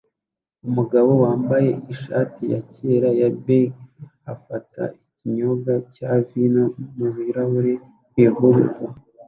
umugabo wambaye ishati yakera ya beige afata ikinyobwa cya vino mubirahure bivuza